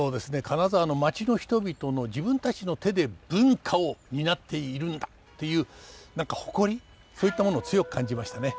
金沢の町の人々の自分たちの手で文化を担っているんだという何か誇りそういったものを強く感じましたね。